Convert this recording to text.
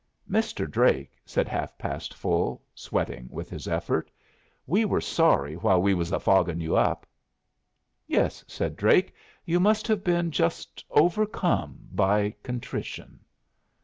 "Mr. Drake," said Half past Full, sweating with his effort, "we were sorry while we was a fogging you up." "Yes," said Drake. "You must have been just overcome by contrition."